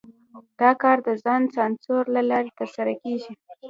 دا کار د ځان سانسور له لارې ترسره کېږي.